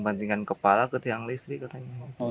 langsung sama warga diciptakan